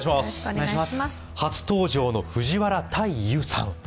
初登場の藤原大祐さん